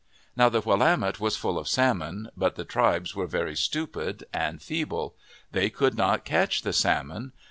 Now the Willamette was full of salmon, but the tribes were very stupid and feeble. They could not catch the salmon.